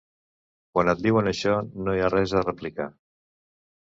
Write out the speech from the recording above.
Quan et diuen això, no hi ha res a replicar.